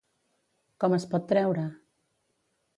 Com es pot treure?